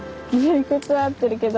理屈は合ってるけど。